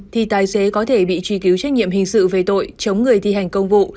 thì tài xế có thể bị truy cứu trách nhiệm hình sự về tội chống người thi hành công vụ